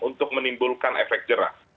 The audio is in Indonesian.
untuk menimbulkan efek jerah